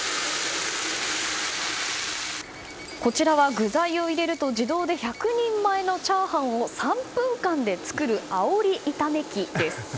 こちらは具材を入れると自動で１００人前のチャーハンを３分間で作る、あおり炒め機です。